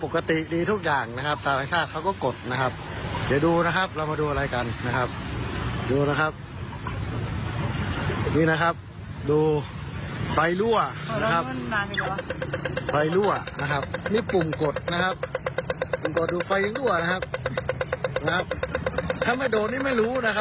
คลิปข้างตรงนี้